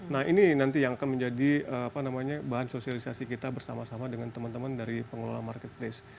nah ini nanti yang akan menjadi bahan sosialisasi kita bersama sama dengan teman teman dari pengelola marketplace